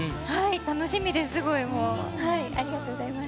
楽しみで、すごい。ありがとうございます。